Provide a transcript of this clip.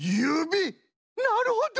なるほど！